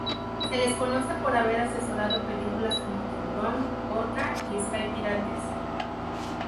Se les conoce por haber asesorado películas como "Tiburón", "Orca" y "Sky Pirates".